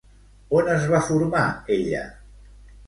On es va formar ella?